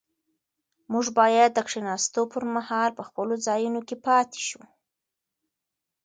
موږ باید د کښېناستو پر مهال په خپلو ځایونو کې پاتې شو.